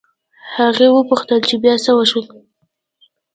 هغې وپوښتل چې بيا څه وشول